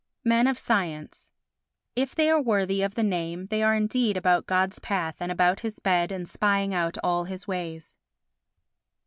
Men of Science If they are worthy of the name they are indeed about God's path and about his bed and spying out all his ways.